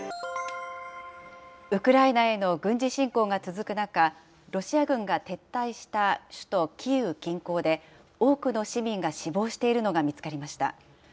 ウクライナへの軍事侵攻が続く中、ロシア軍が撤退した首都キーウ近郊で、多くの市民が死亡しているのが見つかりました。